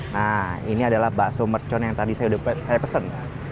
nah ini adalah bakso mercon yang tadi saya pesan